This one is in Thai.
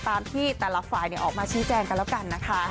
ตามที่แต่ละฝ่ายออกมาชี้แจงกันแล้วกันนะคะ